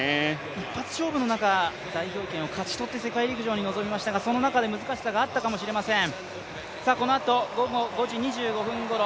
一発勝負の中、代表権を勝ち取って世界陸上に臨みましたがその中で難しさがあったかもしれません。